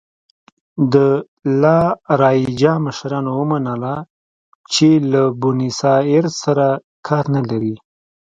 د لا رایجا مشرانو ومنله چې له بونیسایرس سره کار نه لري.